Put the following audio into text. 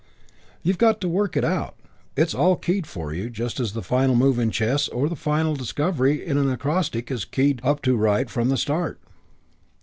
You've got to work it out. It's all keyed for you just as the final move in chess or the final discovery in an acrostic is keyed up to right from the start."